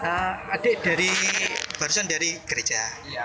adik dari barusan dari gereja